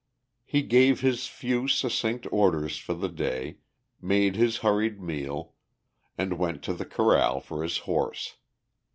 He gave his few, succinct orders for the day, made his hurried meal, and went to the corral for his horse.